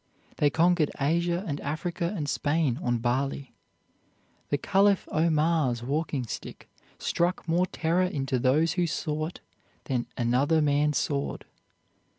They conquered Asia and Africa and Spain on barley. The Caliph Omar's walking stick struck more terror into those who saw it than another man's sword."